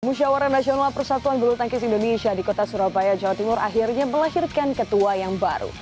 musyawara nasional persatuan bulu tangkis indonesia di kota surabaya jawa timur akhirnya melahirkan ketua yang baru